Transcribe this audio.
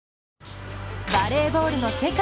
バレーボールの世界